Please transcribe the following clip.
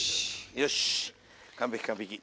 よし完璧完璧。